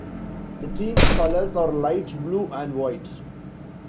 The team's colors are light blue and white.